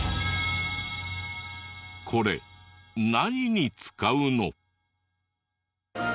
これ何に使うの？